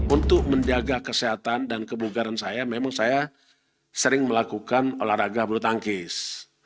untuk menjaga kesehatan dan kebugaran saya memang saya sering melakukan olahraga bulu tangkis